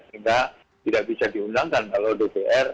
sehingga tidak bisa diundangkan kalau dpr